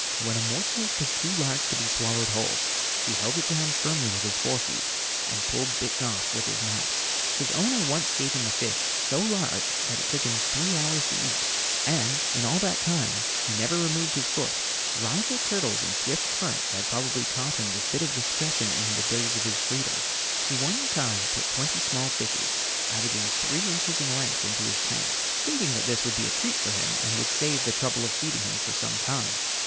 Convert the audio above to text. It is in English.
When a morsel was too large to be swallowed whole, he held it down firmly with his fore feet and pulled bits off with his mouth. His owner once gave him a fish so large that it took him three hours to eat it, and in all that time he never removed his foot. Rival turtles and swift currents had probably taught him this bit of discretion in the days of his freedom. One time he put twenty small fish averaging three inches in length into his tank, thinking this would be a treat for him and would save the trouble of feeding him for some time.